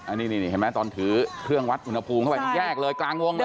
อันนี้เห็นไหมตอนถือเครื่องวัดอุณหภูมิเข้าไปนี่แยกเลยกลางวงเลย